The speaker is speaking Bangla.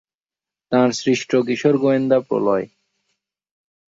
তাঁর সৃষ্ট কিশোর গোয়েন্দা প্রলয়।